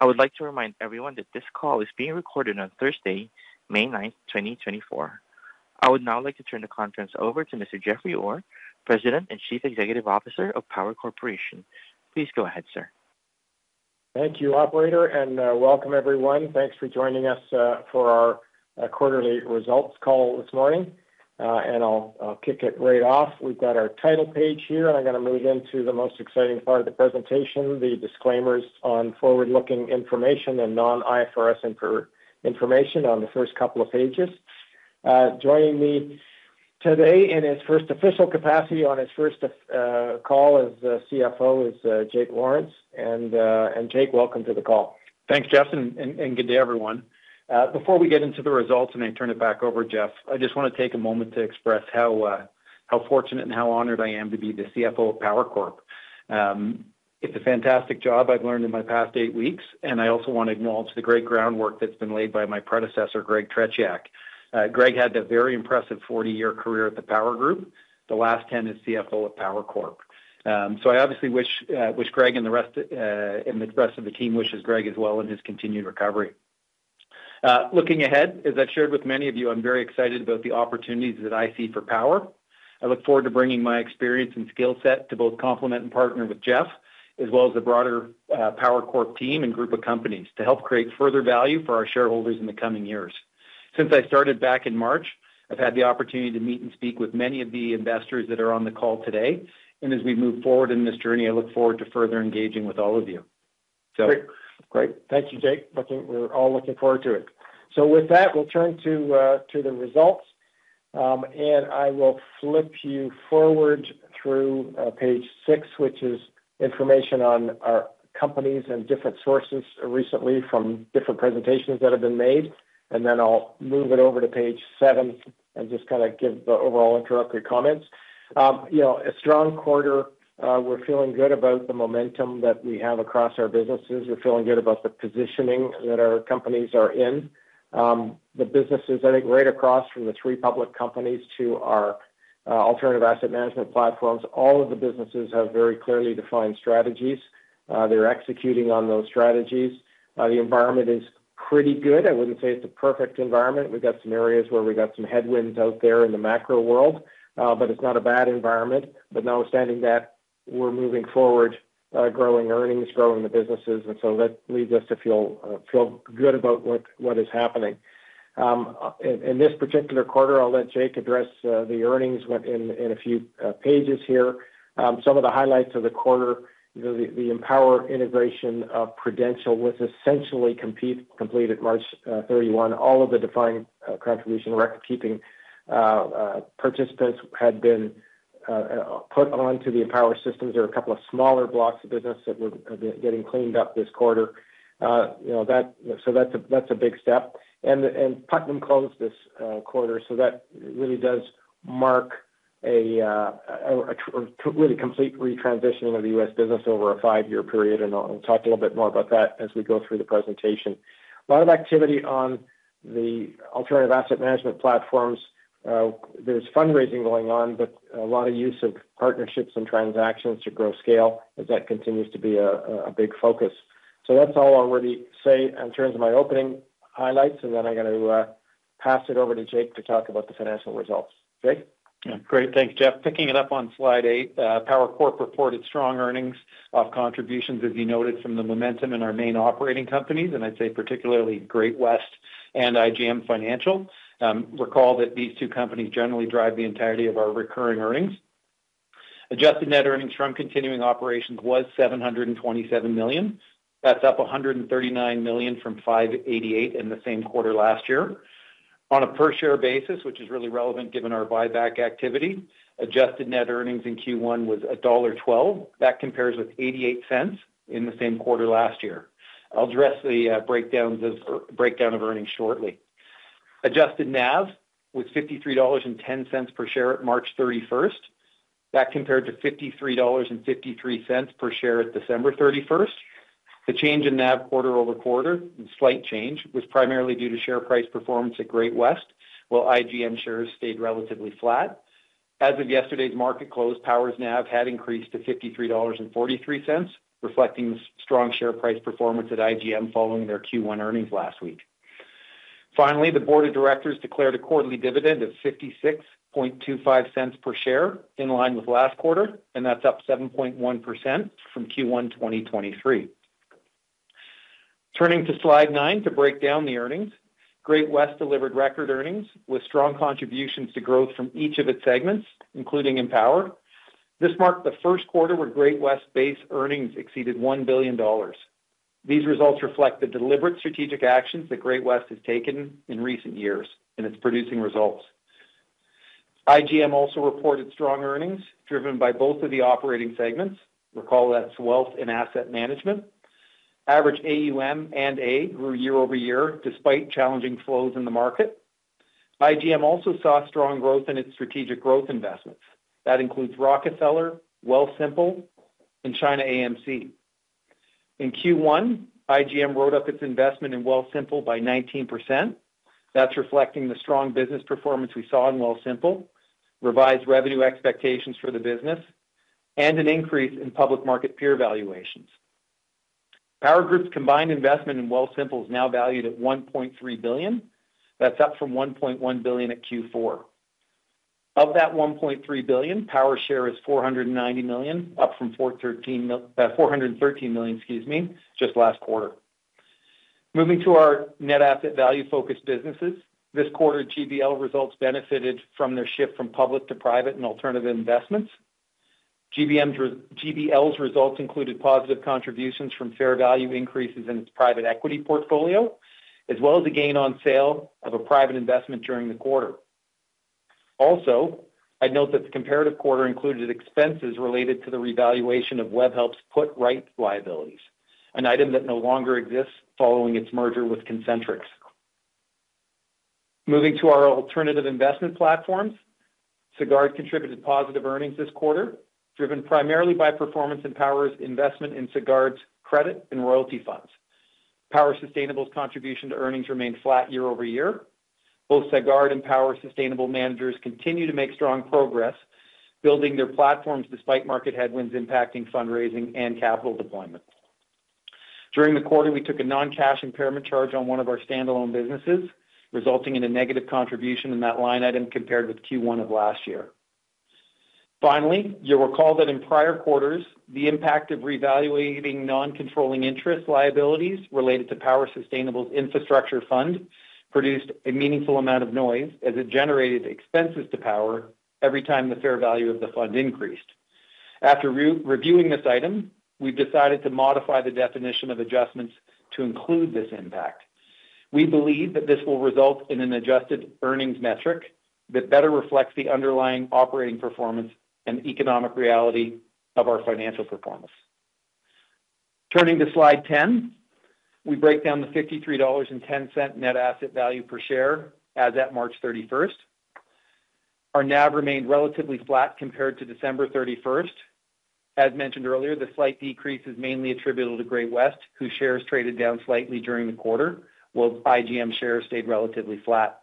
I would like to remind everyone that this call is being recorded on Thursday, May 9, 2024. I would now like to turn the conference over to Mr. Jeffrey Orr, President and Chief Executive Officer of Power Corporation. Please go ahead, sir. Thank you, Operator, and welcome everyone. Thanks for joining us for our quarterly results call this morning, and I'll kick it right off. We've got our title page here, and I'm going to move into the most exciting part of the presentation, the disclaimers on forward-looking information and non-IFRS information on the first couple of pages. Joining me today in his first official capacity on his first call as CFO is Jake Lawrence. Jake, welcome to the call. Thanks, Jeff, and good day, everyone. Before we get into the results and I turn it back over, Jeff, I just want to take a moment to express how fortunate and how honored I am to be the CFO of Power Corp. It's a fantastic job I've learned in my past 8 weeks, and I also want to acknowledge the great groundwork that's been laid by my predecessor, Greg Tretiak. Greg had a very impressive 40-year career at the Power Group. The last 10 years as CFO at Power Corp. So I obviously wish Greg and the rest of the team wishes Greg as well in his continued recovery. Looking ahead, as I've shared with many of you, I'm very excited about the opportunities that I see for Power. I look forward to bringing my experience and skill set to both complement and partner with Jeff, as well as the broader Power Corp team and group of companies, to help create further value for our shareholders in the coming years. Since I started back in March, I've had the opportunity to meet and speak with many of the investors that are on the call today, and as we move forward in this journey, I look forward to further engaging with all of you. Great. Great. Thank you, Jake. We're all looking forward to it. So with that, we'll turn to the results, and I will flip you forward through page six, which is information on our companies and different sources recently from different presentations that have been made. And then I'll move it over to page seven and just kind of give the overall introductory comments. A strong quarter. We're feeling good about the momentum that we have across our businesses. We're feeling good about the positioning that our companies are in. The businesses, I think, right across from the three public companies to our Alternative Asset Management Platforms, all of the businesses have very clearly defined strategies. They're executing on those strategies. The environment is pretty good. I wouldn't say it's a perfect environment. We've got some areas where we've got some headwinds out there in the macro world, but it's not a bad environment. But notwithstanding that, we're moving forward, growing earnings, growing the businesses, and so that leads us to feel good about what is happening. In this particular quarter, I'll let Jake address the earnings in a few pages here. Some of the highlights of the quarter: the Empower integration of Prudential was essentially completed March 31. All of the defined contribution record-keeping participants had been put onto the Empower systems. There are a couple of smaller blocks of business that were getting cleaned up this quarter. So that's a big step. And Putnam closed this quarter, so that really does mark a really complete retransitioning of the U.S. business over a five-year period. And I'll talk a little bit more about that as we go through the presentation. A lot of activity on the Alternative Asset Management Platforms. There's fundraising going on, but a lot of use of partnerships and transactions to grow scale as that continues to be a big focus. So that's all I wanted to say in terms of my opening highlights, and then I'm going to pass it over to Jake to talk about the financial results. Jake? Great. Thanks, Jeff. Picking it up on slide eight, Power Corp reported strong earnings off contributions, as you noted, from the momentum in our main operating companies, and I'd say particularly Great-West and IGM Financial. Recall that these two companies generally drive the entirety of our recurring earnings. Adjusted net earnings from continuing operations was 727 million. That's up 139 million from 588 million in the same quarter last year. On a per-share basis, which is really relevant given our buyback activity, adjusted net earnings in Q1 was dollar 1.12. That compares with 0.88 in the same quarter last year. I'll address the breakdown of earnings shortly. Adjusted NAV was 53.10 dollars per share at March 31st. That compared to 53.53 dollars per share at December 31st. The change in NAV quarter-over-quarter, slight change, was primarily due to share price performance at Great-West, while IGM shares stayed relatively flat. As of yesterday's market close, Power's NAV had increased to 53.43 dollars, reflecting strong share price performance at IGM following their Q1 earnings last week. Finally, the board of directors declared a quarterly dividend of 0.5625 per share in line with last quarter, and that's up 7.1% from Q1 2023. Turning to slide nine to break down the earnings, Great-West delivered record earnings with strong contributions to growth from each of its segments, including Empower. This marked the first quarter where Great-West's base earnings exceeded 1 billion dollars. These results reflect the deliberate strategic actions that Great-West has taken in recent years, and it's producing results. IGM also reported strong earnings driven by both of the operating segments. Recall that's wealth and asset management. Average AUM and AUA grew year-over-year despite challenging flows in the market. IGM also saw strong growth in its strategic growth investments. That includes Rockefeller, Wealthsimple, and ChinaAMC. In Q1, IGM wrote up its investment in Wealthsimple by 19%. That's reflecting the strong business performance we saw in Wealthsimple, revised revenue expectations for the business, and an increase in public market peer valuations. Power Group's combined investment in Wealthsimple is now valued at 1.3 billion. That's up from 1.1 billion at Q4. Of that 1.3 billion, Power's share is 490 million, up from 413 million, excuse me, just last quarter. Moving to our net asset value-focused businesses, this quarter, GBL results benefited from their shift from public to private and alternative investments. GBL's results included positive contributions from fair value increases in its private equity portfolio, as well as a gain on sale of a private investment during the quarter. Also, I'd note that the comparative quarter included expenses related to the revaluation of Webhelp's put right liabilities, an item that no longer exists following its merger with Concentrix. Moving to our alternative investment platforms, Sagard contributed positive earnings this quarter, driven primarily by performance in Power's investment in Sagard's credit and royalty funds. Power Sustainable's contribution to earnings remained flat year over year. Both Sagard and Power Sustainable managers continue to make strong progress building their platforms despite market headwinds impacting fundraising and capital deployment. During the quarter, we took a non-cash impairment charge on one of our standalone businesses, resulting in a negative contribution in that line item compared with Q1 of last year. Finally, you'll recall that in prior quarters, the impact of revaluing non-controlling interest liabilities related to Power Sustainable's infrastructure fund produced a meaningful amount of noise as it generated expenses to Power every time the fair value of the fund increased. After reviewing this item, we've decided to modify the definition of adjustments to include this impact. We believe that this will result in an adjusted earnings metric that better reflects the underlying operating performance and economic reality of our financial performance. Turning to slide 10, we break down the 53.10 dollars net asset value per share as at March 31st. Our NAV remained relatively flat compared to December 31st. As mentioned earlier, the slight decrease is mainly attributable to Great-West, whose shares traded down slightly during the quarter, while IGM's shares stayed relatively flat.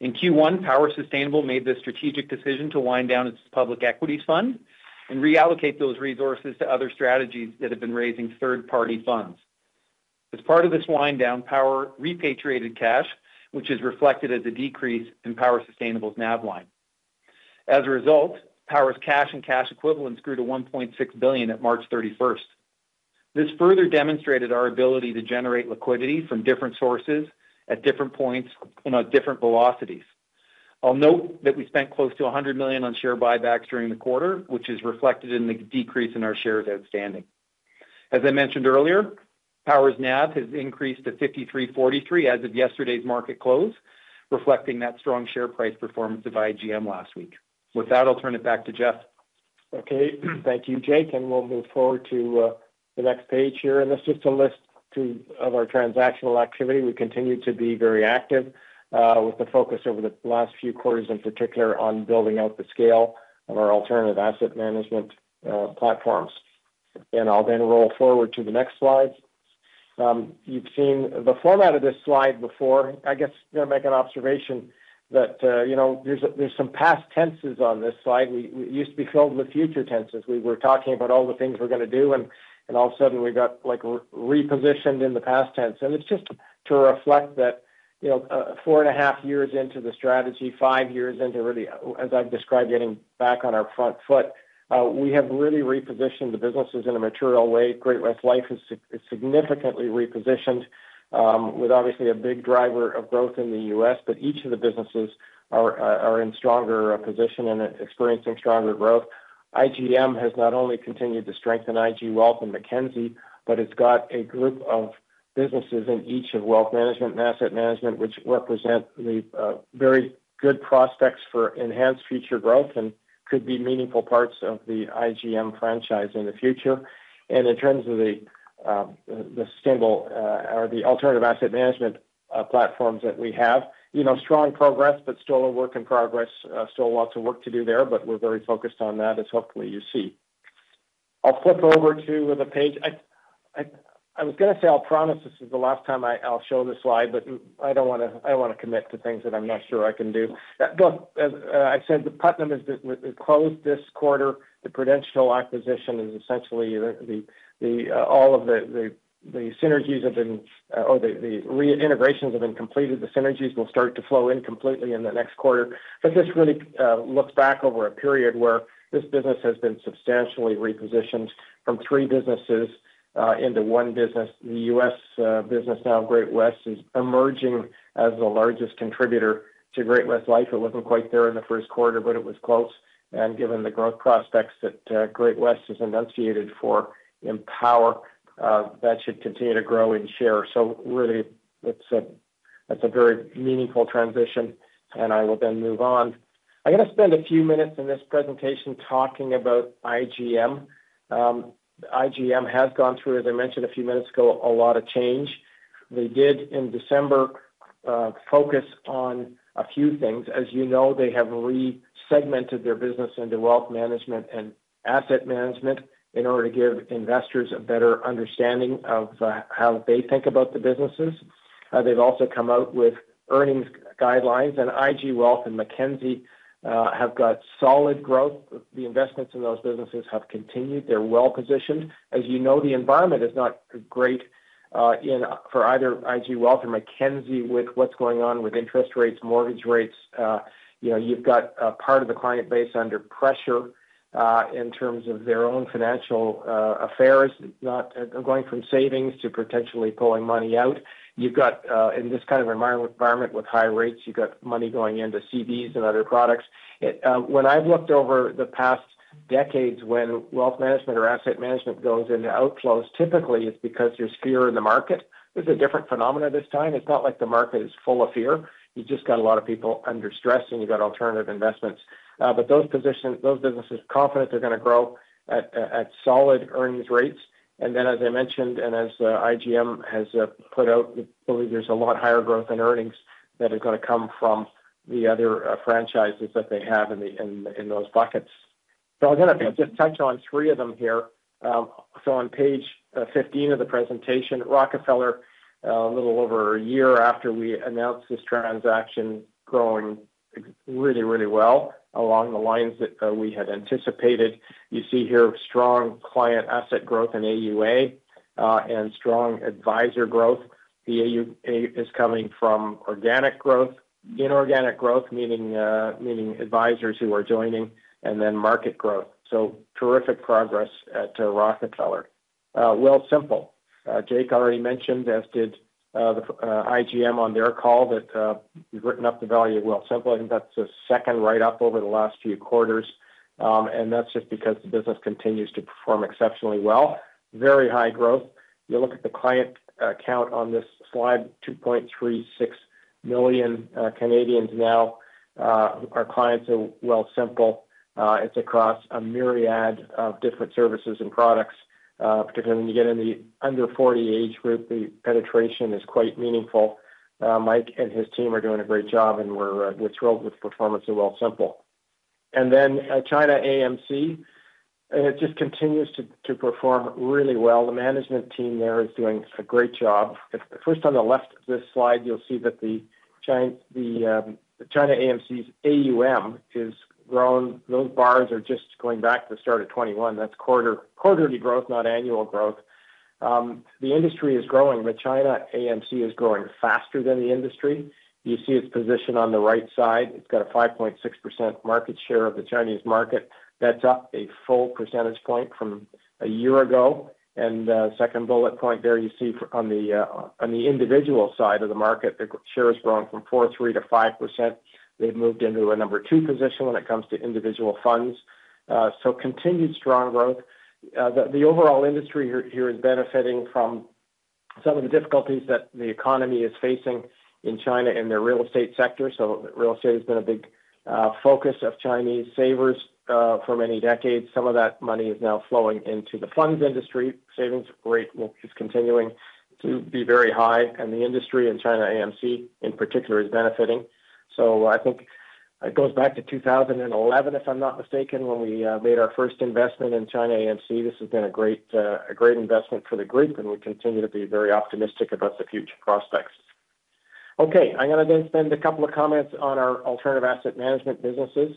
In Q1, Power Sustainable made the strategic decision to wind down its public equities fund and reallocate those resources to other strategies that have been raising third-party funds. As part of this wind down, Power repatriated cash, which is reflected as a decrease in Power Sustainable's NAV line. As a result, Power's cash and cash equivalents grew to 1.6 billion at March 31st. This further demonstrated our ability to generate liquidity from different sources at different points and at different velocities. I'll note that we spent close to 100 million on share buybacks during the quarter, which is reflected in the decrease in our shares outstanding. As I mentioned earlier, Power's NAV has increased to 53.43 as of yesterday's market close, reflecting that strong share price performance of IGM last week. With that, I'll turn it back to Jeff. Okay. Thank you, Jake. We'll move forward to the next page here. This is just a list of our transactional activity. We continue to be very active with the focus over the last few quarters, in particular, on building out the scale of our Alternative Asset Management Platforms. I'll then roll forward to the next slides. You've seen the format of this slide before. I guess I'm going to make an observation that there's some past tenses on this slide. It used to be filled with future tenses. We were talking about all the things we're going to do, and all of a sudden, we got repositioned in the past tense. It's just to reflect that four and a half years into the strategy, five years into, really, as I've described, getting back on our front foot, we have really repositioned the businesses in a material way. Great-West Lifeco is significantly repositioned with, obviously, a big driver of growth in the U.S., but each of the businesses are in stronger position and experiencing stronger growth. IGM has not only continued to strengthen IG Wealth Management and Mackenzie, but it's got a group of businesses in each of wealth management and asset management, which represent very good prospects for enhanced future growth and could be meaningful parts of the IGM franchise in the future. And in terms of the sustainable or the Alternative Asset Management Platforms that we have, strong progress, but still a work in progress. Still lots of work to do there, but we're very focused on that, as hopefully you see. I'll flip over to the page. I was going to say I'll promise this is the last time I'll show this slide, but I don't want to commit to things that I'm not sure I can do. Look, I said Putnam has closed this quarter. The Prudential acquisition is essentially all of the synergies have been or the integrations have been completed. The synergies will start to flow in completely in the next quarter. But this really looks back over a period where this business has been substantially repositioned from three businesses into one business. The U.S. business now, Great-West, is emerging as the largest contributor to Great-West Lifeco. It wasn't quite there in the first quarter, but it was close. Given the growth prospects that Great-West has enunciated for Empower, that should continue to grow in share. So really, that's a very meaningful transition, and I will then move on. I'm going to spend a few minutes in this presentation talking about IGM. IGM has gone through, as I mentioned a few minutes ago, a lot of change. They did, in December, focus on a few things. As you know, they have resegmented their business into wealth management and asset management in order to give investors a better understanding of how they think about the businesses. They've also come out with earnings guidelines, and IG Wealth and Mackenzie have got solid growth. The investments in those businesses have continued. They're well positioned. As you know, the environment is not great for either IG Wealth or Mackenzie with what's going on with interest rates, mortgage rates. You've got part of the client base under pressure in terms of their own financial affairs, going from savings to potentially pulling money out. In this kind of environment with high rates, you've got money going into CDs and other products. When I've looked over the past decades when wealth management or asset management goes into outflows, typically, it's because there's fear in the market. There's a different phenomena this time. It's not like the market is full of fear. You've just got a lot of people under stress, and you've got alternative investments. But those businesses are confident they're going to grow at solid earnings rates. And then, as I mentioned, and as IGM has put out, I believe there's a lot higher growth in earnings that is going to come from the other franchises that they have in those buckets. So I'm going to just touch on three of them here. So on page 15 of the presentation, Rockefeller, a little over a year after we announced this transaction, is growing really, really well along the lines that we had anticipated. You see here strong client asset growth in AUA and strong advisor growth. The AUA is coming from organic growth, inorganic growth, meaning advisors who are joining, and then market growth. So terrific progress at Rockefeller. Wealthsimple, Jake already mentioned, as did IGM on their call, that we've written up the value of Wealthsimple. I think that's the second write-up over the last few quarters. And that's just because the business continues to perform exceptionally well. Very high growth. You look at the client count on this slide, 2.36 million Canadians now are clients of Wealthsimple. It's across a myriad of different services and products. Particularly when you get in the under-40 age group, the penetration is quite meaningful. Mike and his team are doing a great job, and we're thrilled with the performance of Wealthsimple. And then ChinaAMC, and it just continues to perform really well. The management team there is doing a great job. First, on the left of this slide, you'll see that ChinaAMC's AUM is growing. Those bars are just going back to the start of 2021. That's quarterly growth, not annual growth. The industry is growing, but ChinaAMC is growing faster than the industry. You see its position on the right side. It's got a 5.6% market share of the Chinese market. That's up a full percentage point from a year ago. And second bullet point there, you see on the individual side of the market, the share is growing from 4.3% to 5%. They've moved into a number two position when it comes to individual funds. Continued strong growth. The overall industry here is benefiting from some of the difficulties that the economy is facing in China in their real estate sector. Real estate has been a big focus of Chinese savers for many decades. Some of that money is now flowing into the funds industry. Savings rate is continuing to be very high, and the industry in ChinaAMC, in particular, is benefiting. I think it goes back to 2011, if I'm not mistaken, when we made our first investment in ChinaAMC. This has been a great investment for the group, and we continue to be very optimistic about the future prospects. Okay. I'm going to then spend a couple of comments on our Alternative Asset Management businesses.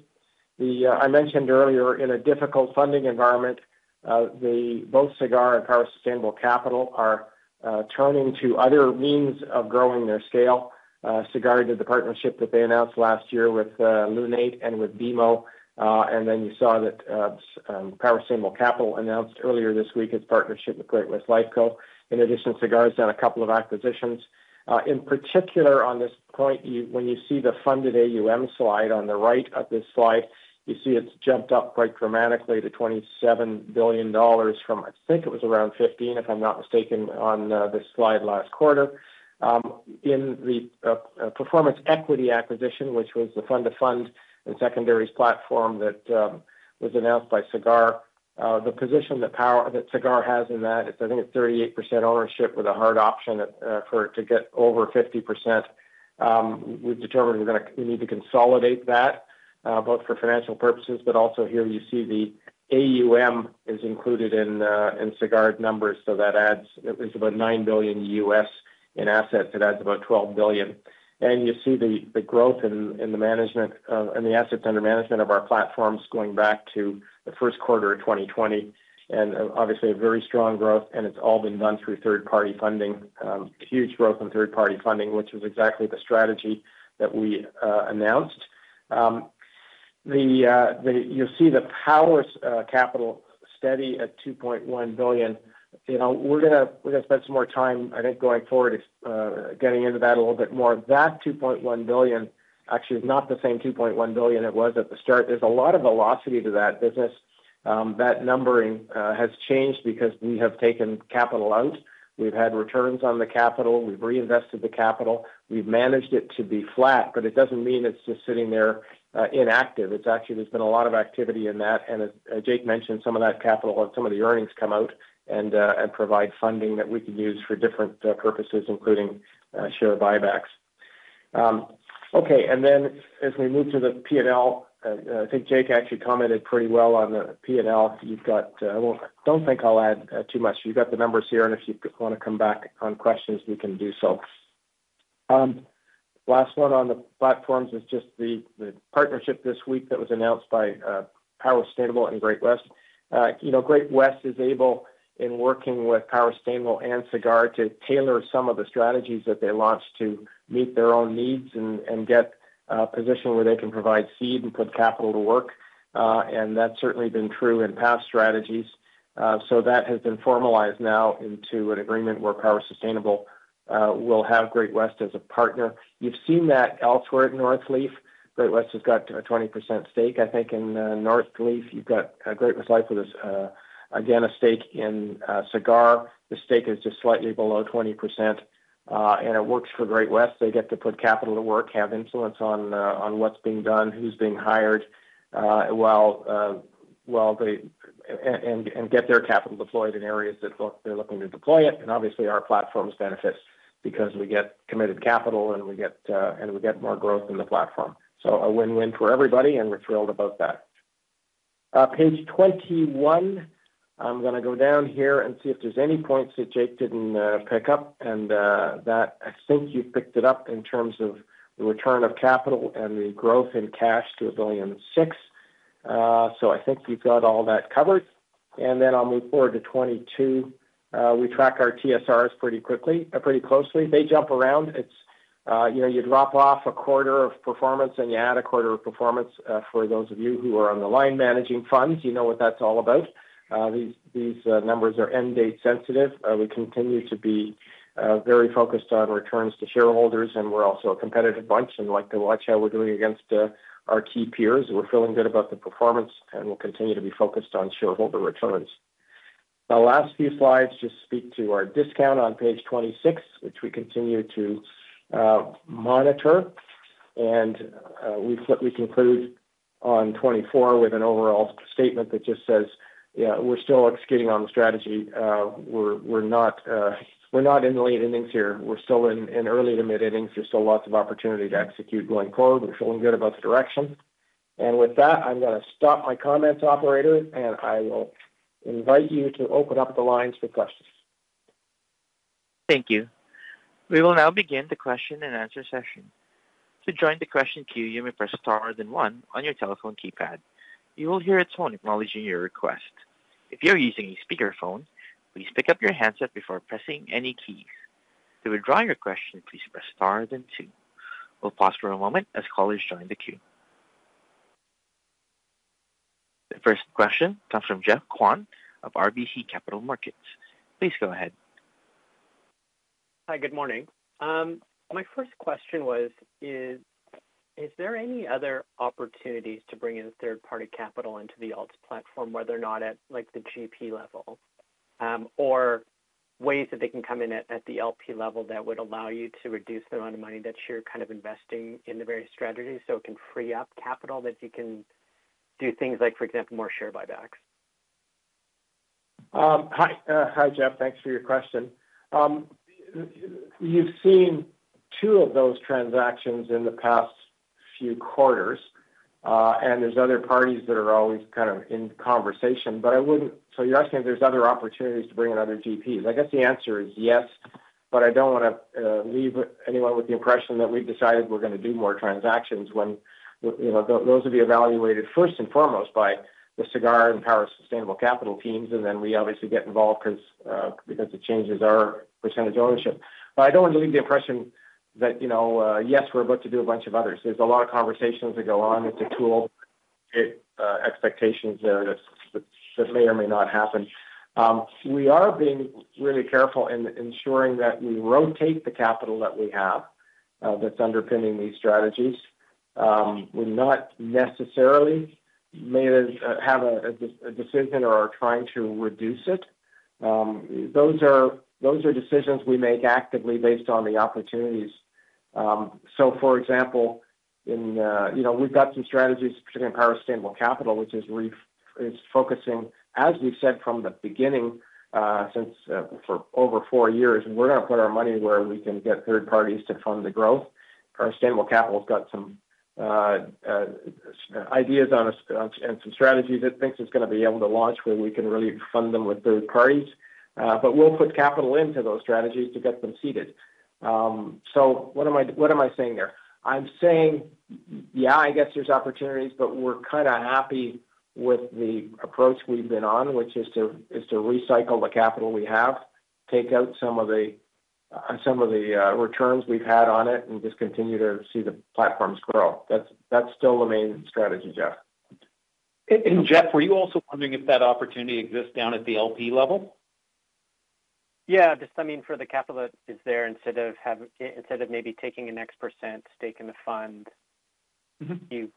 I mentioned earlier, in a difficult funding environment, both Sagard and Power Sustainable are turning to other means of growing their scale. Sagard did the partnership that they announced last year with Lunate and with BMO. Then you saw that Power Sustainable announced earlier this week its partnership with Great-West Lifeco. In addition, Sagard has done a couple of acquisitions. In particular, on this point, when you see the funded AUM slide on the right of this slide, you see it's jumped up quite dramatically to $27 billion from, I think it was around $15 billion, if I'm not mistaken, on this slide last quarter. In the Performance Equity acquisition, which was the fund-of-funds and secondaries platform that was announced by Sagard, the position that Sagard has in that, I think it's 38% ownership with a hard option for it to get over 50%. We've determined we need to consolidate that, both for financial purposes, but also here, you see the AUM is included in Sagard numbers, so that adds it's about $9 billion in assets. It adds about 12 billion. And you see the growth in the management and the assets under management of our platforms going back to the first quarter of 2020. And obviously, a very strong growth, and it's all been done through third-party funding. Huge growth in third-party funding, which was exactly the strategy that we announced. You'll see the Power Capital steady at 2.1 billion. We're going to spend some more time, I think, going forward getting into that a little bit more. That 2.1 billion actually is not the same 2.1 billion it was at the start. There's a lot of velocity to that business. That numbering has changed because we have taken capital out. We've had returns on the capital. We've reinvested the capital. We've managed it to be flat, but it doesn't mean it's just sitting there inactive. Actually, there's been a lot of activity in that. And as Jake mentioned, some of that capital and some of the earnings come out and provide funding that we can use for different purposes, including share buybacks. Okay. And then as we move to the P&L, I think Jake actually commented pretty well on the P&L. I don't think I'll add too much. You've got the numbers here, and if you want to come back on questions, we can do so. Last one on the platforms is just the partnership this week that was announced by Power Sustainable and Great-West. Great-West Lifeco is able, in working with Power Sustainable and Sagard, to tailor some of the strategies that they launched to meet their own needs and get a position where they can provide seed and put capital to work. That's certainly been true in past strategies. That has been formalized now into an agreement where Power Sustainable will have Great-West Lifeco as a partner. You've seen that elsewhere at Northleaf. Great-West Lifeco has got a 20% stake, I think. In Northleaf, you've got Great-West Life with, again, a stake in Sagard. The stake is just slightly below 20%. It works for Great-West Lifeco. They get to put capital to work, have influence on what's being done, who's being hired, while they and get their capital deployed in areas that they're looking to deploy it. Obviously, our platforms benefit because we get committed capital, and we get more growth in the platform. So a win-win for everybody, and we're thrilled about that. Page 21, I'm going to go down here and see if there's any points that Jake didn't pick up. I think you've picked it up in terms of the return of capital and the growth in cash to 1.6 billion. So I think you've got all that covered. Then I'll move forward to 22. We track our TSRs pretty closely. They jump around. You drop off a quarter of performance, and you add a quarter of performance. For those of you who are on the line managing funds, you know what that's all about. These numbers are end-date sensitive. We continue to be very focused on returns to shareholders, and we're also a competitive bunch and like to watch how we're doing against our key peers. We're feeling good about the performance, and we'll continue to be focused on shareholder returns. The last few slides just speak to our discount on page 26, which we continue to monitor. And we conclude on 24 with an overall statement that just says, "Yeah, we're still exceeding on the strategy. We're not in the late innings here. We're still in early to mid-innings. There's still lots of opportunity to execute going forward. We're feeling good about the direction." And with that, I'm going to stop my comments, operator, and I will invite you to open up the lines for questions. Thank you. We will now begin the question-and-answer session. To join the question queue, you may press star then one on your telephone keypad. You will hear a tone acknowledging your request. If you're using a speakerphone, please pick up your handset before pressing any keys. To withdraw your question, please press star then two. We'll pause for a moment as callers join the queue. The first question comes from Geoff Kwan of RBC Capital Markets. Please go ahead. Hi. Good morning. My first question was, is there any other opportunities to bring in third-party capital into the alts platform, whether or not at the GP level, or ways that they can come in at the LP level that would allow you to reduce the amount of money that you're kind of investing in the various strategies so it can free up capital that you can do things like, for example, more share buybacks? Hi, Geoff. Thanks for your question. You've seen rwo of those transactions in the past few quarters, and there's other parties that are always kind of in conversation. So you're asking if there's other opportunities to bring in other GPs. I guess the answer is yes, but I don't want to leave anyone with the impression that we've decided we're going to do more transactions when those will be evaluated first and foremost by the Sagard and Power Sustainable teams, and then we obviously get involved because it changes our percentage ownership. But I don't want to leave the impression that, yes, we're about to do a bunch of others. There's a lot of conversations that go on. It's a tool. Expectations there that may or may not happen. We are being really careful in ensuring that we rotate the capital that we have that's underpinning these strategies. We've not necessarily made a decision or are trying to reduce it. Those are decisions we make actively based on the opportunities. So for example, we've got some strategies, particularly in Power Sustainable Capital, which is focusing, as we've said from the beginning for over four years, we're going to put our money where we can get third parties to fund the growth. Power Sustainable Capital's got some ideas and some strategies it thinks it's going to be able to launch where we can really fund them with third parties. But we'll put capital into those strategies to get them seeded. So what am I saying there? I'm saying, yeah, I guess there's opportunities, but we're kind of happy with the approach we've been on, which is to recycle the capital we have, take out some of the returns we've had on it, and just continue to see the platforms grow. That's still the main strategy, Geoff. Geoff, were you also wondering if that opportunity exists down at the LP level? Yeah. Just, I mean, for the capital. Is there, instead of maybe taking an X% stake in the fund, you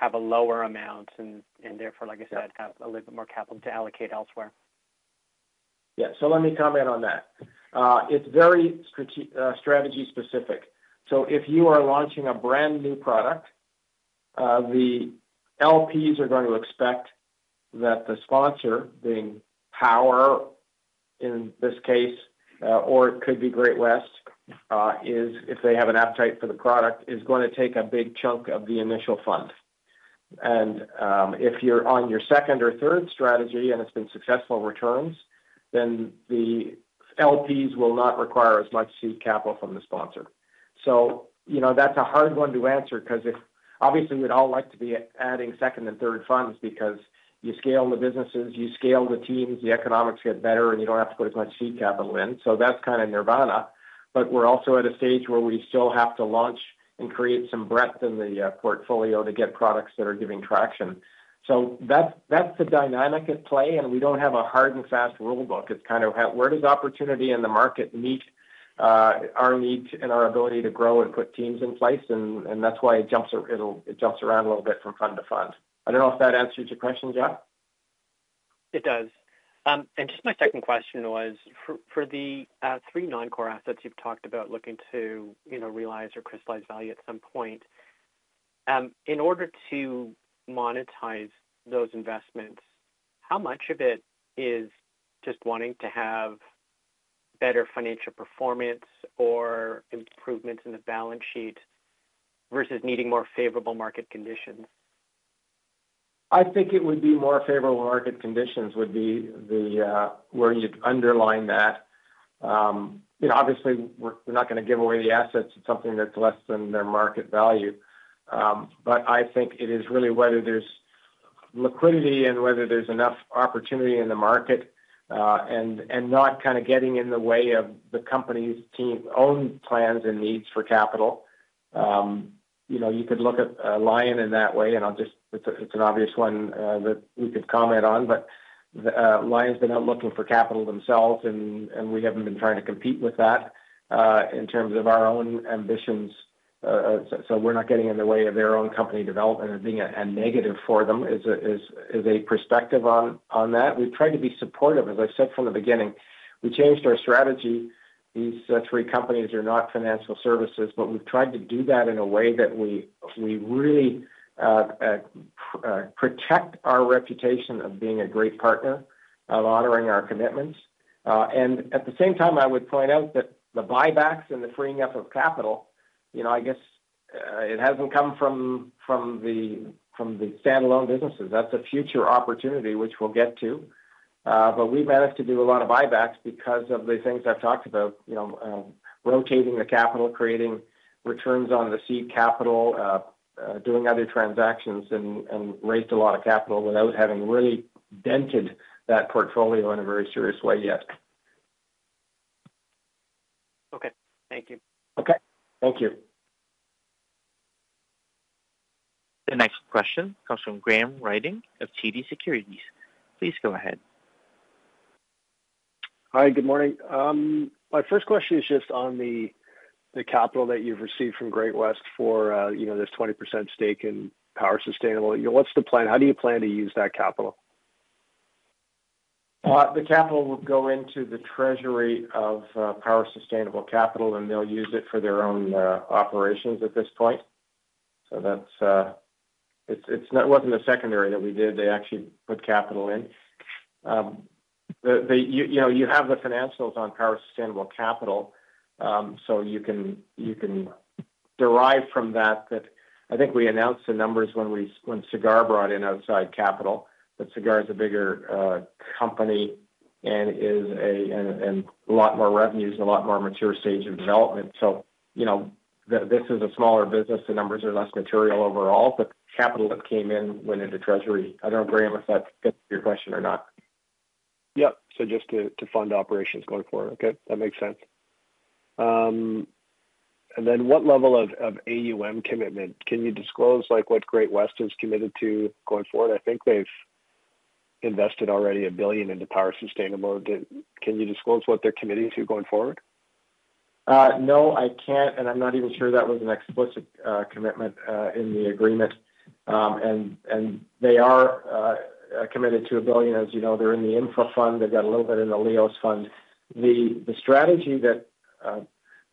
have a lower amount and therefore, like I said, have a little bit more capital to allocate elsewhere? Yeah. So let me comment on that. It's very strategy-specific. So if you are launching a brand new product, the LPs are going to expect that the sponsor, being Power in this case, or it could be Great-West, if they have an appetite for the product, is going to take a big chunk of the initial fund. And if you're on your second or third strategy and it's been successful returns, then the LPs will not require as much seed capital from the sponsor. So that's a hard one to answer because obviously, we'd all like to be adding second and third funds because you scale the businesses, you scale the teams, the economics get better, and you don't have to put as much seed capital in. So that's kind of nirvana. But we're also at a stage where we still have to launch and create some breadth in the portfolio to get products that are giving traction. So that's the dynamic at play, and we don't have a hard and fast rulebook. It's kind of where does opportunity in the market meet our needs and our ability to grow and put teams in place? And that's why it jumps around a little bit from fund to fund. I don't know if that answers your question, Geoff. It does. And just my second question was, for the three non-core assets you've talked about looking to realize or crystallize value at some point, in order to monetize those investments, how much of it is just wanting to have better financial performance or improvements in the balance sheet versus needing more favorable market conditions? I think it would be more favorable market conditions would be where you'd underline that. Obviously, we're not going to give away the assets. It's something that's less than their market value. But I think it is really whether there's liquidity and whether there's enough opportunity in the market and not kind of getting in the way of the company's own plans and needs for capital. You could look at Lion in that way, and it's an obvious one that we could comment on. But Lion's been out looking for capital themselves, and we haven't been trying to compete with that in terms of our own ambitions. So we're not getting in the way of their own company development and being a negative for them is a perspective on that. We've tried to be supportive. As I said from the beginning, we changed our strategy. These three companies are not financial services, but we've tried to do that in a way that we really protect our reputation of being a great partner, of honoring our commitments. At the same time, I would point out that the buybacks and the freeing up of capital, I guess it hasn't come from the standalone businesses. That's a future opportunity, which we'll get to. We've managed to do a lot of buybacks because of the things I've talked about: rotating the capital, creating returns on the seed capital, doing other transactions, and raised a lot of capital without having really dented that portfolio in a very serious way yet. Okay. Thank you. Okay. Thank you. The next question comes from Graham Ryding of TD Securities. Please go ahead. Hi. Good morning. My first question is just on the capital that you've received from Great-West for this 20% stake in Power Sustainable. What's the plan? How do you plan to use that capital? The capital would go into the treasury of Power Sustainable, and they'll use it for their own operations at this point. So it wasn't a secondary that we did. They actually put capital in. You have the financials on Power Sustainable, so you can derive from that that I think we announced the numbers when Sagard brought in outside capital, that Sagard is a bigger company and is a lot more revenues and a lot more mature stage of development. So this is a smaller business. The numbers are less material overall. The capital that came in went into treasury. I don't know, Graham, if that fits your question or not. Yep. So just to fund operations going forward. Okay. That makes sense. And then what level of AUM commitment? Can you disclose what Great-West is committed to going forward? I think they've invested already 1 billion into Power Sustainable. Can you disclose what they're committing to going forward? No, I can't, and I'm not even sure that was an explicit commitment in the agreement. They are committed to 1 billion. As you know, they're in the infra fund. They've got a little bit in the Lios fund. The strategy that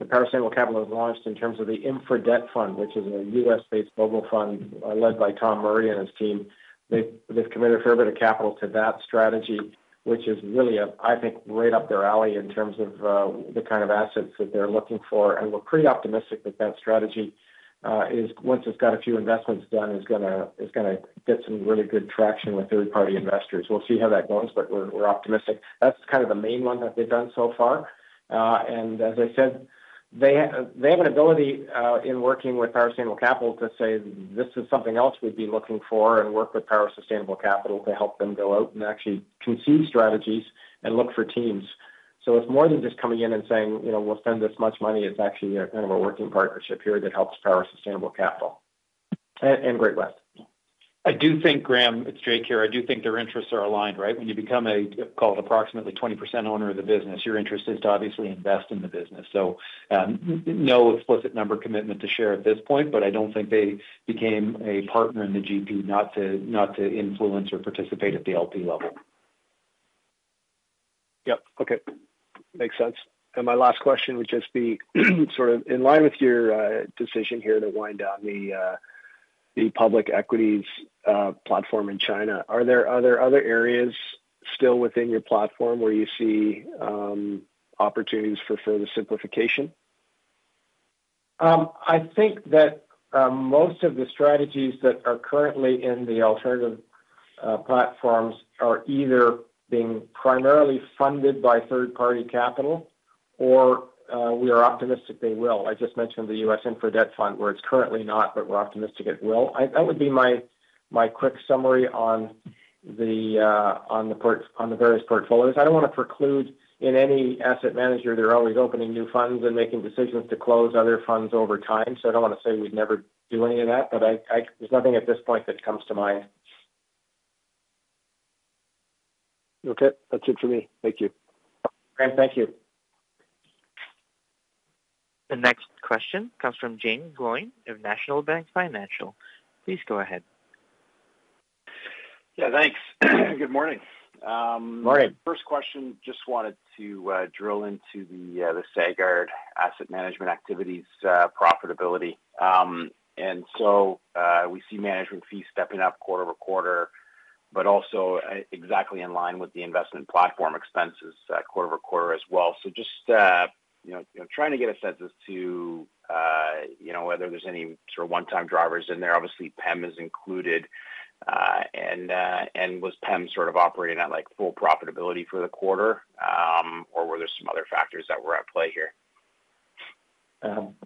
Power Sustainable has launched in terms of the infra debt fund, which is a U.S.-based global fund led by Tom Murray and his team, they've committed a fair bit of capital to that strategy, which is really, I think, right up their alley in terms of the kind of assets that they're looking for. We're pretty optimistic that that strategy, once it's got a few investments done, is going to get some really good traction with third-party investors. We'll see how that goes, but we're optimistic. That's kind of the main one that they've done so far. As I said, they have an ability in working with Power Sustainable to say, "This is something else we'd be looking for," and work with Power Sustainable to help them go out and actually conceive strategies and look for teams. It's more than just coming in and saying, "We'll spend this much money." It's actually kind of a working partnership here that helps Power Sustainable and Great-West. I do think, Graham, it's Jake here. I do think their interests are aligned, right? When you become, call it, approximately 20% owner of the business, your interest is to obviously invest in the business. So no explicit number commitment to share at this point, but I don't think they became a partner in the GP not to influence or participate at the LP level. Yep. Okay. Makes sense. And my last question would just be sort of in line with your decision here to wind down the public equities platform in China, are there other areas still within your platform where you see opportunities for further simplification? I think that most of the strategies that are currently in the alternative platforms are either being primarily funded by third-party capital, or we are optimistic they will. I just mentioned the U.S. infra debt fund, where it's currently not, but we're optimistic it will. That would be my quick summary on the various portfolios. I don't want to preclude in any asset manager. They're always opening new funds and making decisions to close other funds over time. So I don't want to say we'd never do any of that, but there's nothing at this point that comes to mind. Okay. That's it for me. Thank you. Graham, thank you. The next question comes from Jaeme Gloyn of National Bank Financial. Please go ahead. Yeah. Thanks. Good morning. Morning. First question, just wanted to drill into the Sagard asset management activities profitability. And so we see management fees stepping up quarter-over-quarter, but also exactly in line with the investment platform expenses quarter-over-quarter as well. So just trying to get a sense as to whether there's any sort of one-time drivers in there. Obviously, PEM is included. And was PEM sort of operating at full profitability for the quarter, or were there some other factors that were at play here?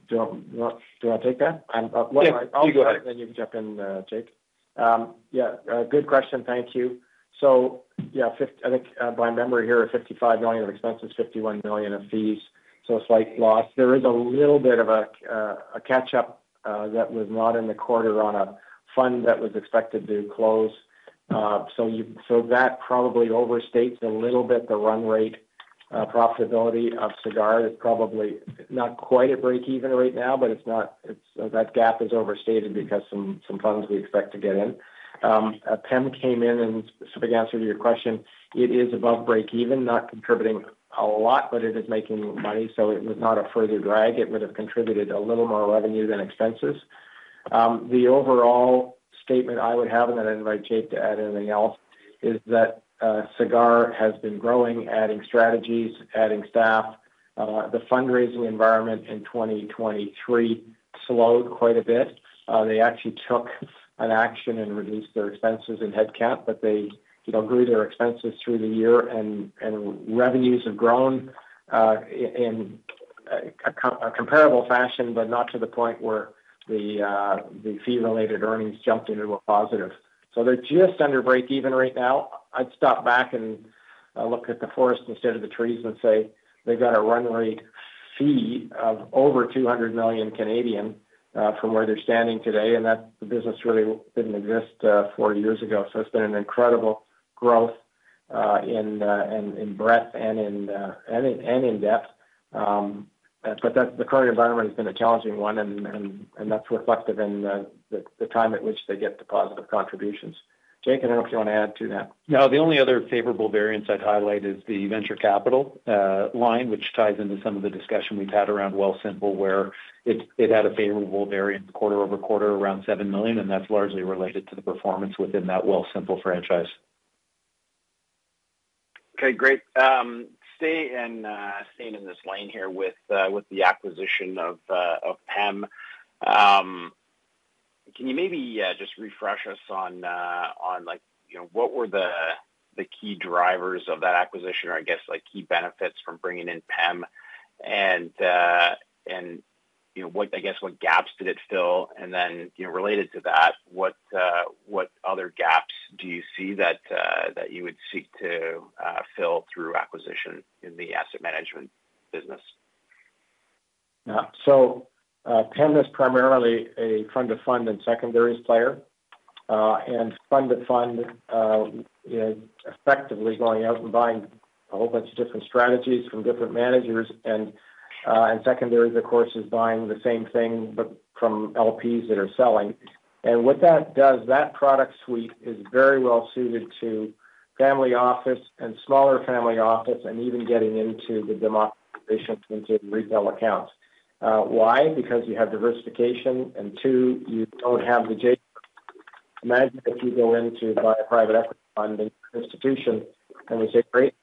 Do I take that? Yeah. You go ahead. Then you can jump in, Jake. Yeah. Good question. Thank you. So yeah, I think by memory here, 55 million of expenses, 51 million of fees. So slight loss. There is a little bit of a catch-up that was not in the quarter on a fund that was expected to close. So that probably overstates a little bit the run rate profitability of Sagard. It's probably not quite at break-even right now, but that gap is overstated because some funds we expect to get in. PEM came in, and a specific answer to your question, it is above break-even, not contributing a lot, but it is making money. So it was not a further drag. It would have contributed a little more revenue than expenses. The overall statement I would have, and then I invite Jake to add anything else, is that Sagard has been growing, adding strategies, adding staff. The fundraising environment in 2023 slowed quite a bit. They actually took an action and reduced their expenses in headcount, but they grew their expenses through the year. Revenues have grown in a comparable fashion, but not to the point where the fee-related earnings jumped into a positive. They're just under break-even right now. I'd step back and look at the forest instead of the trees and say they've got a run rate fee of over 200 million from where they're standing today, and that the business really didn't exist four years ago. It's been an incredible growth in breadth and in depth. The current environment has been a challenging one, and that's reflective in the time at which they get the positive contributions. Jake, I don't know if you want to add to that. No. The only other favorable variance I'd highlight is the venture capital line, which ties into some of the discussion we've had around Wealthsimple, where it had a favorable variance quarter-over-quarter around 7 million, and that's largely related to the performance within that Wealthsimple franchise. Okay. Great. Staying in this lane here with the acquisition of PEM, can you maybe just refresh us on what were the key drivers of that acquisition or, I guess, key benefits from bringing in PEM? And I guess, what gaps did it fill? And then related to that, what other gaps do you see that you would seek to fill through acquisition in the asset management business? Yeah. So PEM is primarily a fund-of-funds and secondaries player. And fund-of-funds is effectively going out and buying a whole bunch of different strategies from different managers. And secondaries, of course, is buying the same thing but from LPs that are selling. And what that does, that product suite is very well suited to family office and smaller family office and even getting into the democratization into retail accounts. Why? Because you have diversification. And two, you don't have the J-curve. Imagine if you go in to buy a private equity fund in your institution and we say, "Great.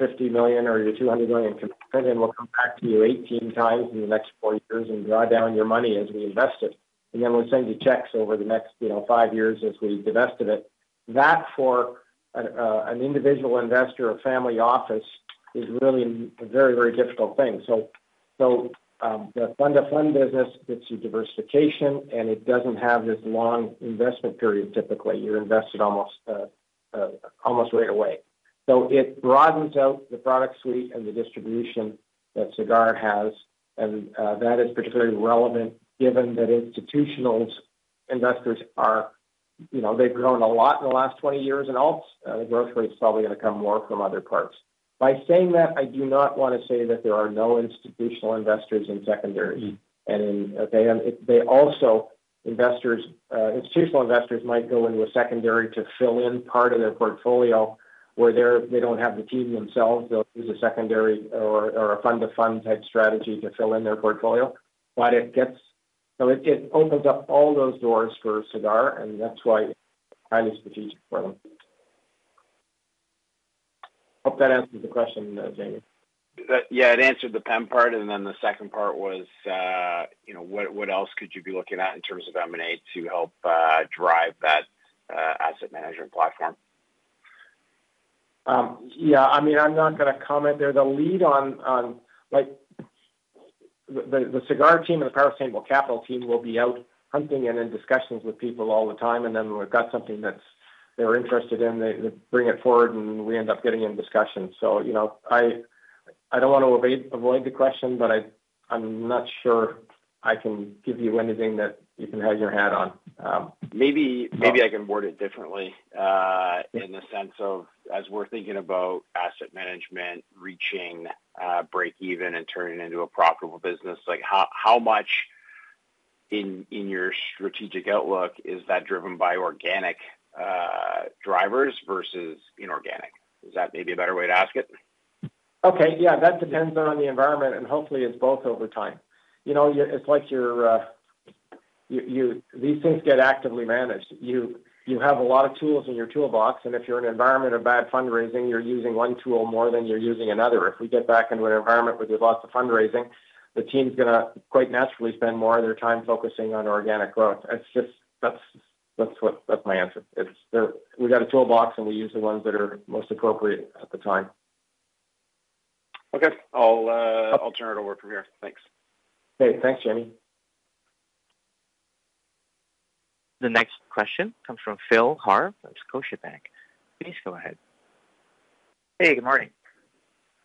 $50 million or your 200 million commitment, and we'll come back to you 18 times in the next four years and draw down your money as we invest it, and then we'll send you checks over the next five years as we've divested it." That for an individual investor of family office is really a very, very difficult thing. So the fund-of-funds business gets you diversification, and it doesn't have this long investment period, typically. You're invested almost right away. So it broadens out the product suite and the distribution that Sagard has. And that is particularly relevant given that institutional investors, they've grown a lot in the last 20 years and all. The growth rate's probably going to come more from other parts. By saying that, I do not want to say that there are no institutional investors in secondaries. They also, institutional investors might go into a secondary to fill in part of their portfolio where they don't have the team themselves. They'll use a secondary or a fund-of-funds type strategy to fill in their portfolio. So it opens up all those doors for Sagard, and that's why it's highly strategic for them. Hope that answers the question, Jamie. Yeah. It answered the PEM part, and then the second part was what else could you be looking at in terms of M&A to help drive that asset management platform? Yeah. I mean, I'm not going to comment there. The lead on the Sagard team and the Power Sustainable team will be out hunting and in discussions with people all the time. And then we've got something that they're interested in. They bring it forward, and we end up getting in discussion. So I don't want to avoid the question, but I'm not sure I can give you anything that you can hang your hat on. Maybe I can word it differently in the sense of, as we're thinking about asset management reaching break-even and turning into a profitable business, how much in your strategic outlook is that driven by organic drivers versus inorganic? Is that maybe a better way to ask it? Okay. Yeah. That depends on the environment, and hopefully, it's both over time. It's like these things get actively managed. You have a lot of tools in your toolbox, and if you're in an environment of bad fundraising, you're using one tool more than you're using another. If we get back into an environment where there's lots of fundraising, the team's going to quite naturally spend more of their time focusing on organic growth. That's my answer. We've got a toolbox, and we use the ones that are most appropriate at the time. Okay. I'll turn it over from here. Thanks. Okay. Thanks, Jamie. The next question comes from Phil Hardie of Scotiabank. Please go ahead. Hey. Good morning.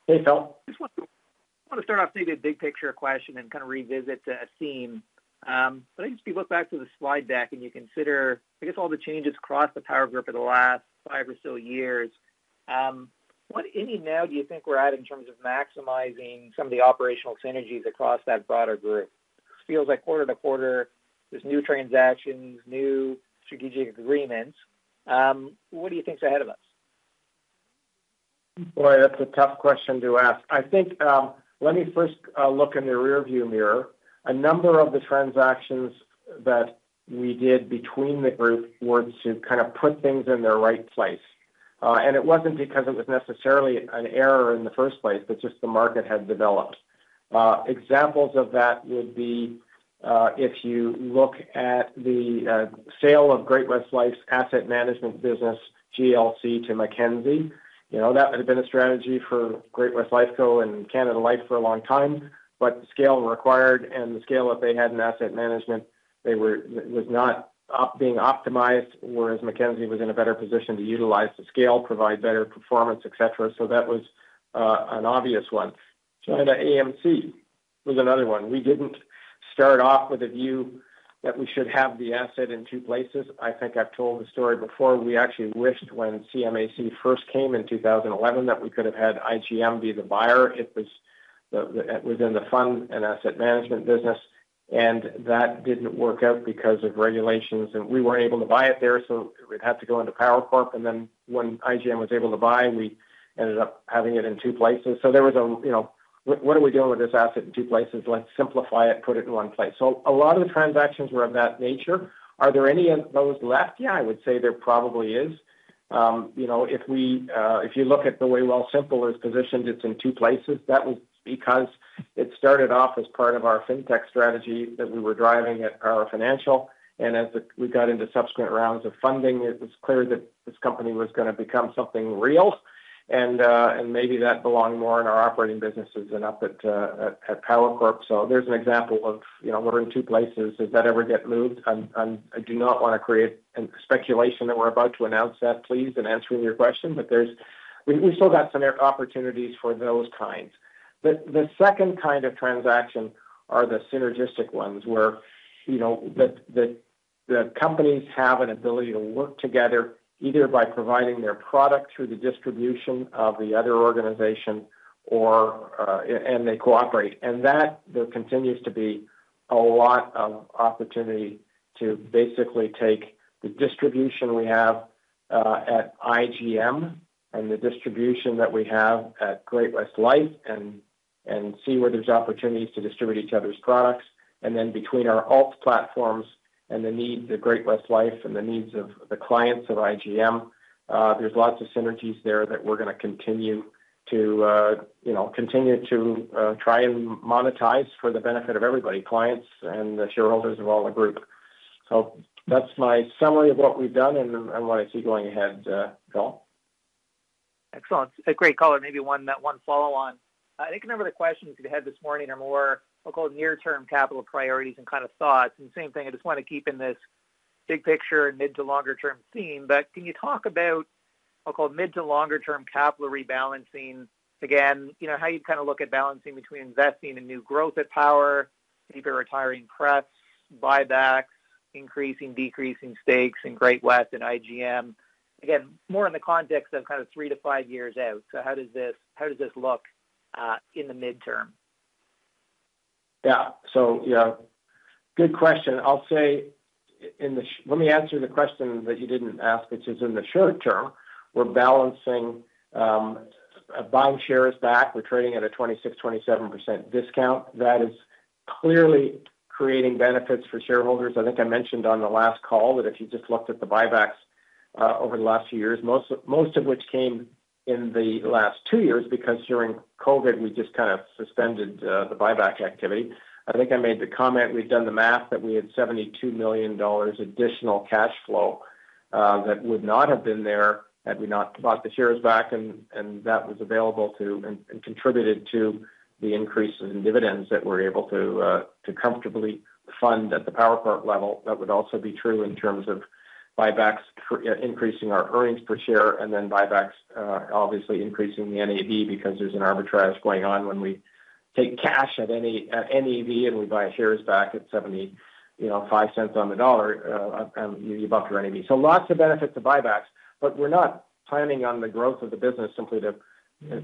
Hey, Phil. I just want to start off, say, the big picture question and kind of revisit a theme. But I guess if you look back to the slide deck and you consider, I guess, all the changes across the power group in the last five or so years, what, if any, now do you think we're at in terms of maximizing some of the operational synergies across that broader group? It feels like quarter to quarter, there's new transactions, new strategic agreements. What do you think's ahead of us? Boy, that's a tough question to ask. Let me first look in the rearview mirror. A number of the transactions that we did between the group were to kind of put things in their right place. And it wasn't because it was necessarily an error in the first place, but just the market had developed. Examples of that would be if you look at the sale of Great-West Lifeco's asset management business, GLC, to Mackenzie. That had been a strategy for Great-West Lifeco and Canada Life for a long time, but the scale required and the scale that they had in asset management was not being optimized, whereas Mackenzie was in a better position to utilize the scale, provide better performance, etc. So that was an obvious one. ChinaAMC was another one. We didn't start off with a view that we should have the asset in two places. I think I've told the story before. We actually wished, when ChinaAMC first came in 2011, that we could have had IGM be the buyer. It was in the fund and asset management business, and that didn't work out because of regulations. We weren't able to buy it there, so it had to go into Power Corp. Then when IGM was able to buy, we ended up having it in two places. There was a, "What are we doing with this asset in two places? Let's simplify it, put it in one place." A lot of the transactions were of that nature. Are there any of those left? Yeah. I would say there probably is. If you look at the way Wealthsimple is positioned, it's in two places. That was because it started off as part of our fintech strategy that we were driving at Power Financial. And as we got into subsequent rounds of funding, it was clear that this company was going to become something real. And maybe that belonged more in our operating businesses than up at Power Corp. So there's an example of, "We're in two places. Does that ever get moved?" I do not want to create speculation that we're about to announce that, please, in answering your question, but we still got some opportunities for those kinds. The second kind of transaction are the synergistic ones where the companies have an ability to work together either by providing their product through the distribution of the other organization and they cooperate. There continues to be a lot of opportunity to basically take the distribution we have at IGM and the distribution that we have at Great-West Lifeco and see where there's opportunities to distribute each other's products. Then between our alt platforms and the needs of Great-West Lifeco and the needs of the clients of IGM, there's lots of synergies there that we're going to continue to try and monetize for the benefit of everybody, clients and the shareholders of all the group. That's my summary of what we've done and what I see going ahead, Phil. Excellent. A great call. Maybe one follow-on. I think a number of the questions we've had this morning are more, I'll call it, near-term capital priorities and kind of thoughts. And same thing. I just want to keep in this big picture mid- to longer-term theme. But can you talk about, I'll call it, mid- to longer-term capital rebalancing? Again, how you'd kind of look at balancing between investing in new growth at Power, debt retirement, buybacks, increasing, decreasing stakes in Great-West and IGM? Again, more in the context of kind of three to five years out. So how does this look in the mid-term? Yeah. So yeah. Good question. I'll say in the let me answer the question that you didn't ask, which is in the short term. We're balancing buying shares back. We're trading at a 26%-27% discount. That is clearly creating benefits for shareholders. I think I mentioned on the last call that if you just looked at the buybacks over the last few years, most of which came in the last two years because during COVID, we just kind of suspended the buyback activity. I think I made the comment. We've done the math that we had 72 million dollars additional cash flow that would not have been there had we not bought the shares back. And that was available and contributed to the increase in dividends that we're able to comfortably fund at the Power Corp level. That would also be true in terms of buybacks, increasing our earnings per share, and then buybacks, obviously, increasing the NAV because there's an arbitrage going on. When we take cash at NAV and we buy shares back at 75 cents on the dollar, you buffer NAV. So lots of benefits to buybacks, but we're not planning on the growth of the business simply to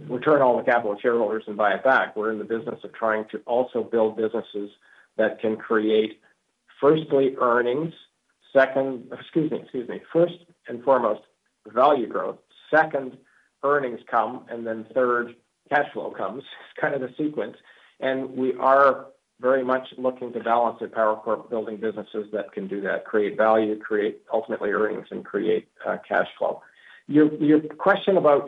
return all the capital to shareholders and buy it back. We're in the business of trying to also build businesses that can create, firstly, earnings. Excuse me. Excuse me. First and foremost, value growth. Second, earnings come, and then third, cash flow comes. It's kind of the sequence. And we are very much looking to balance at Power Corp building businesses that can do that, create value, create ultimately earnings, and create cash flow. Your question about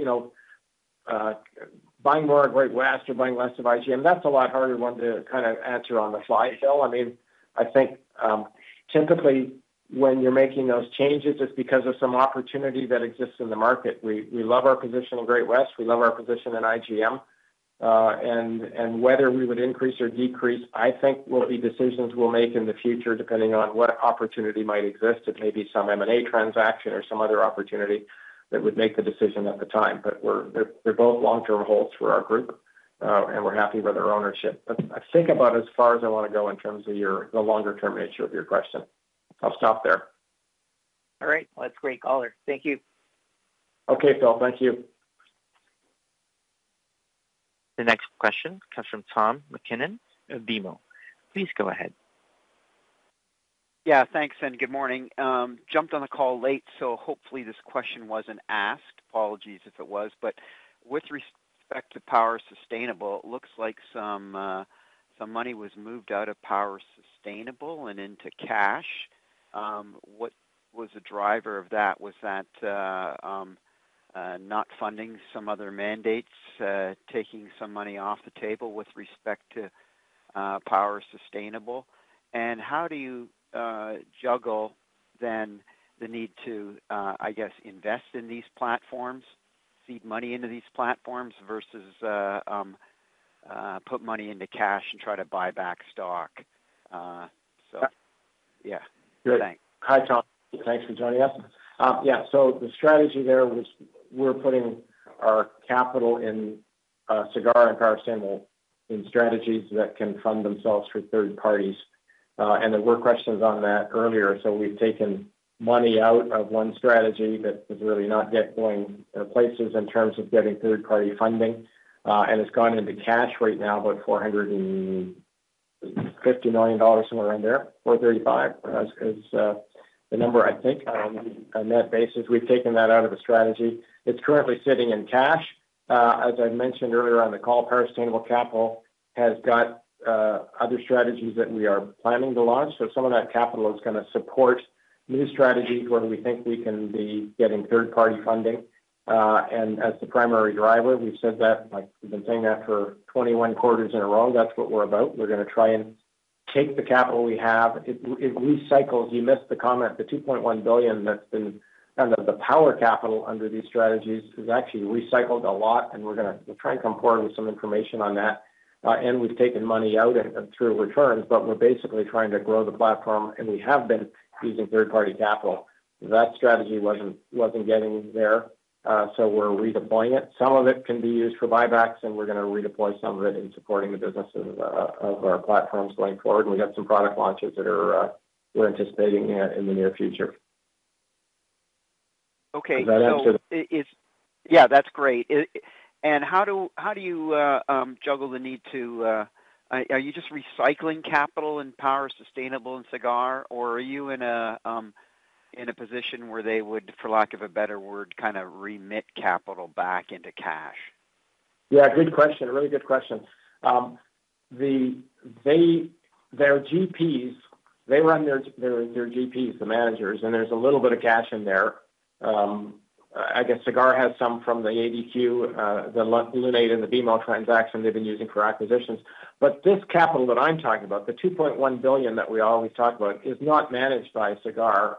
buying more at Great-West or buying less of IGM, that's a lot harder one to kind of answer on the fly, Phil. I mean, I think typically, when you're making those changes, it's because of some opportunity that exists in the market. We love our position in Great-West. We love our position in IGM. And whether we would increase or decrease, I think, will be decisions we'll make in the future depending on what opportunity might exist. It may be some M&A transaction or some other opportunity that would make the decision at the time. But they're both long-term holds for our group, and we're happy with their ownership. But I think about it as far as I want to go in terms of the longer-term nature of your question. I'll stop there. All right. Well, that's a great quarter. Thank you. Okay, Phil. Thank you. The next question comes from Tom MacKinnon of BMO. Please go ahead. Yeah. Thanks, and good morning. Jumped on the call late, so hopefully, this question wasn't asked. Apologies if it was. But with respect to Power Sustainable, it looks like some money was moved out of Power Sustainable and into cash. What was the driver of that? Was that not funding some other mandates, taking some money off the table with respect to Power Sustainable? And how do you juggle then the need to, I guess, invest in these platforms, seed money into these platforms versus put money into cash and try to buy back stock? So yeah. Thanks. Hi, Tom. Thanks for joining us. Yeah. So the strategy there was we're putting our capital in Sagard and Power Sustainable in strategies that can fund themselves through third parties. And there were questions on that earlier. So we've taken money out of one strategy that was really not yet going places in terms of getting third-party funding. And it's gone into cash right now, about 450 million dollars, somewhere around there, 435 million is the number, I think, on a net basis. We've taken that out of the strategy. It's currently sitting in cash. As I mentioned earlier on the call, Power Sustainable has got other strategies that we are planning to launch. So some of that capital is going to support new strategies where we think we can be getting third-party funding. And as the primary driver, we've said that. We've been saying that for 21 quarters in a row. That's what we're about. We're going to try and take the capital we have. It recycles. You missed the comment. The 2.1 billion that's been kind of the Power capital under these strategies is actually recycled a lot, and we're trying to come forward with some information on that. And we've taken money out through returns, but we're basically trying to grow the platform, and we have been using third-party capital. That strategy wasn't getting there, so we're redeploying it. Some of it can be used for buybacks, and we're going to redeploy some of it in supporting the businesses of our platforms going forward. And we've got some product launches that we're anticipating in the near future. Does that answer the? Okay. So yeah. That's great. And how do you juggle the need to are you just recycling capital in Power Sustainable and Sagard, or are you in a position where they would, for lack of a better word, kind of remit capital back into cash? Yeah. Good question. Really good question. Their GPs, they run their GPs, the managers, and there's a little bit of cash in there. I guess Sagard has some from the ADQ, the Lunate, and the BMO transaction they've been using for acquisitions. But this capital that I'm talking about, the 2.1 billion that we always talk about, is not managed by Sagard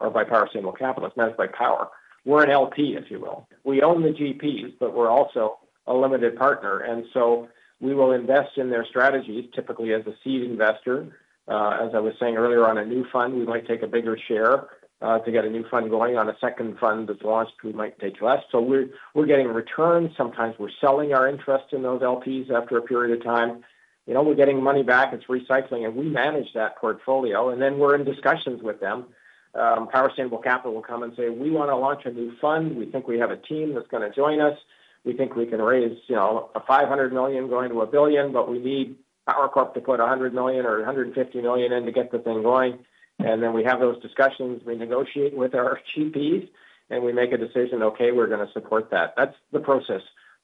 or by Power Sustainable. It's managed by Power. We're an LP, if you will. We own the GPs, but we're also a limited partner. And so we will invest in their strategies, typically as a seed investor. As I was saying earlier, on a new fund, we might take a bigger share. To get a new fund going, on a second fund that's launched, we might take less. So we're getting returns. Sometimes we're selling our interest in those LPs after a period of time. We're getting money back. It's recycling, and we manage that portfolio. And then we're in discussions with them. Power Sustainable Capital will come and say, "We want to launch a new fund. We think we have a team that's going to join us. We think we can raise 500 million-1 billion, but we need Power Corp to put 100 million or 150 million in to get the thing going." And then we have those discussions. We negotiate with our GPs, and we make a decision, "Okay. We're going to support that." That's the process.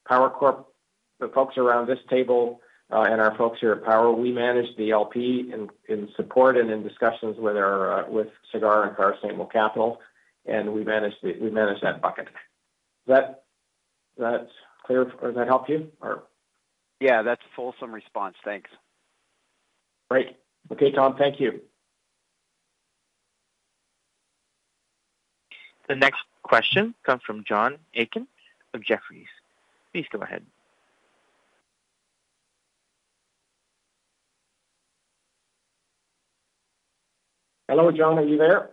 Power Corp, the folks around this table, and our folks here at Power, we manage the LP in support and in discussions with Sagard and Power Sustainable Capital, and we manage that bucket. Does that help you, or? Yeah. That's a fulsome response. Thanks. Great. Okay, Tom. Thank you. The next question comes from John Aiken of Jefferies. Please go ahead. Hello, John. Are you there?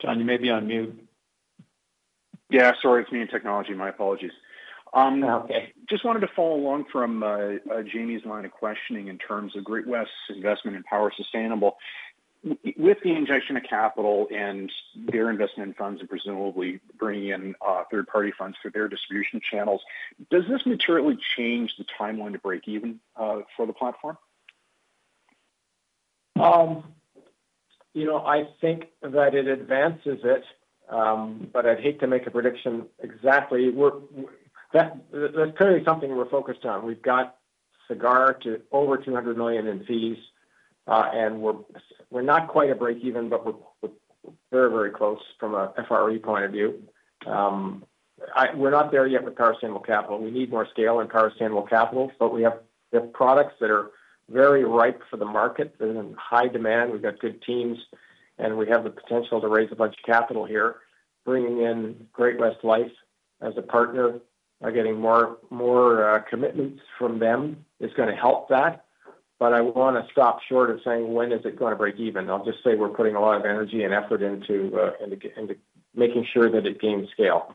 John, you may be on mute. Yeah. Sorry. It's me in technology. My apologies. Just wanted to follow along from Jamie's line of questioning in terms of Great-West's investment in Power Sustainable. With the injection of capital and their investment in funds and presumably bringing in third-party funds through their distribution channels, does this materially change the timeline to break even for the platform? I think that it advances it, but I'd hate to make a prediction exactly. That's clearly something we're focused on. We've got Sagard to over 200 million in fees, and we're not quite at break even, but we're very, very close from an FRE point of view. We're not there yet with Power Sustainable. We need more scale in Power Sustainable, but we have products that are very ripe for the market. They're in high demand. We've got good teams, and we have the potential to raise a bunch of capital here. Bringing in Great-West Lifeco as a partner, getting more commitments from them is going to help that. But I want to stop short of saying, "When is it going to break even?" I'll just say we're putting a lot of energy and effort into making sure that it gains scale.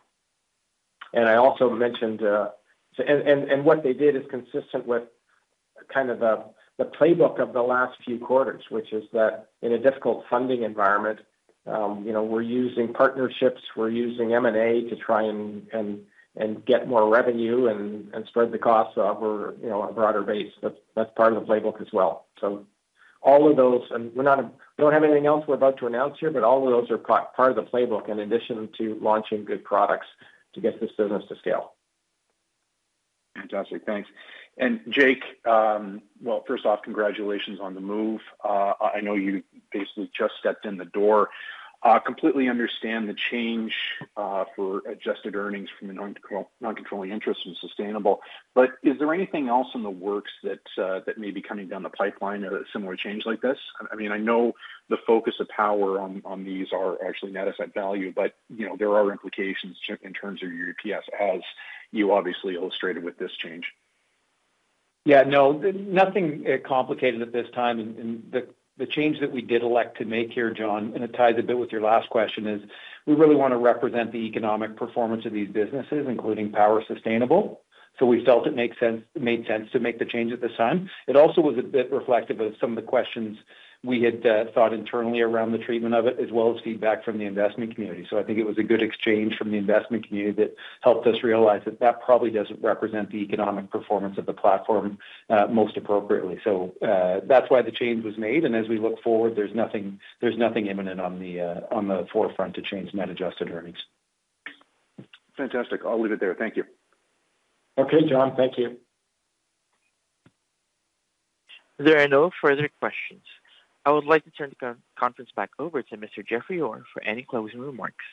And I also mentioned, and what they did is consistent with kind of the playbook of the last few quarters, which is that in a difficult funding environment, we're using partnerships. We're using M&A to try and get more revenue and spread the costs over a broader base. That's part of the playbook as well. So all of those and we don't have anything else we're about to announce here, but all of those are part of the playbook in addition to launching good products to get this business to scale. Fantastic. Thanks. And Jake, well, first off, congratulations on the move. I know you basically just stepped in the door. I completely understand the change for adjusted earnings from non-controlling interest in Sustainable, but is there anything else in the works that may be coming down the pipeline or a similar change like this? I mean, I know the focus of Power on these are actually net asset value, but there are implications in terms of UPS, as you obviously illustrated with this change. Yeah. No. Nothing complicated at this time. The change that we did elect to make here, John, and it ties a bit with your last question, is we really want to represent the economic performance of these businesses, including Power Sustainable. So we felt it made sense to make the change at this time. It also was a bit reflective of some of the questions we had thought internally around the treatment of it, as well as feedback from the investment community. So I think it was a good exchange from the investment community that helped us realize that that probably doesn't represent the economic performance of the platform most appropriately. So that's why the change was made. As we look forward, there's nothing imminent on the forefront to change net adjusted earnings. Fantastic. I'll leave it there. Thank you. Okay, John. Thank you. If there are no further questions, I would like to turn the conference back over to Mr. Jeffrey Orr for any closing remarks.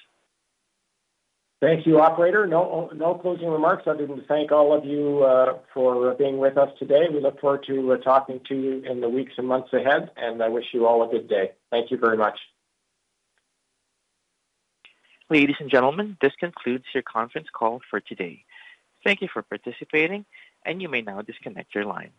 Thank you, operator. No closing remarks other than to thank all of you for being with us today. We look forward to talking to you in the weeks and months ahead, and I wish you all a good day. Thank you very much. Ladies and gentlemen, this concludes your conference call for today. Thank you for participating, and you may now disconnect your line.